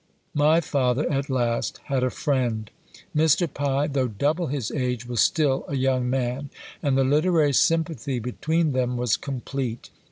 My father at last had a friend. Mr. Pye, though double his age, was still a young man, and the literary sympathy between them was complete.